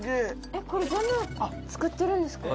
「これ全部作ってるんですか？」